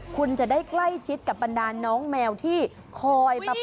คุณจะได้ใกล้ชิดกับบรรดาลน้องแมวที่คอยมา